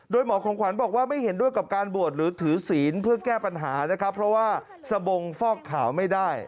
โดยหมอของขวัญบอกว่าไม่เห็นด้วยกับการบวชหรือถือศีลเพื่อแก้ปัญหานะครับเพราะว่าสบงฟอกขาวไม่ได้